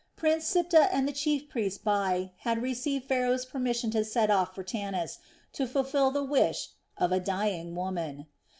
Prince Siptah and the chief priest Bai had received Pharaoh's permission to set off for Tanis, to fulfil the wish of a "dying woman."